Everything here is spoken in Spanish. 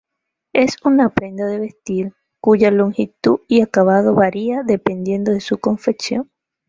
Es una prenda de vestir, cuya longitud y acabado varía dependiendo de su confección.